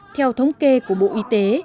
theo thống kê của bộ y tế